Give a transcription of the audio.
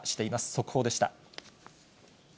速報でした。